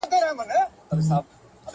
وروسته وار سو د قاضى د وزيرانو .!